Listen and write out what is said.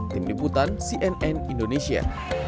tim liputan cnn indonesia